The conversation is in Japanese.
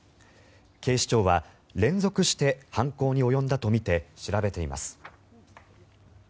警視庁は連続して犯行に及んだとみて調べています。